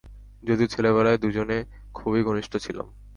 যদিও ছেলেবেলায় দুজনে খুবই ঘনিষ্ঠ ছিলাম।